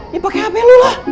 ya pake hape lo lah